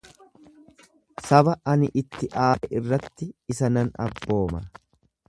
Saba ani itti aare irratti isa nan abbooma.